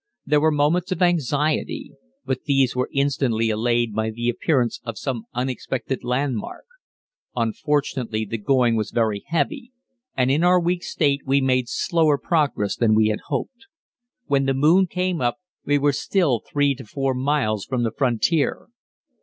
There were moments of anxiety, but these were instantly allayed by the appearance of some expected landmark. Unfortunately the going was very heavy, and in our weak state we made slower progress than we had hoped. When the moon came up we were still 3 to 4 miles from the frontier.